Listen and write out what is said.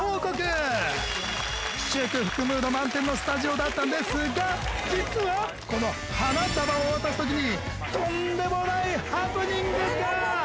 祝福ムード満点のスタジオだったんですが実はこの花束を渡す時にとんでもないハプニングが。